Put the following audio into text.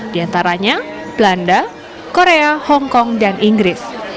diantaranya belanda korea hongkong dan inggris